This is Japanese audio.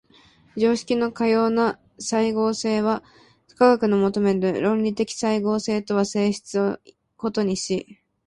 常識のかような斉合性は科学の求める論理的斉合性とは性質を異にし、